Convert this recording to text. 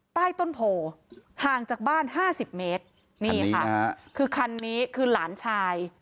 ใต้ต้นโผห่างจากบ้าน๕๐เมตรคันนี้คือหลานชาย